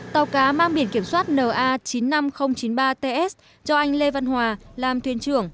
tàu cá mang biển kiểm soát na chín mươi năm nghìn chín mươi ba ts cho anh lê văn hòa làm thuyền trưởng